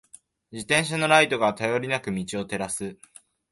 自転車のライトが、頼りなく道を照らす。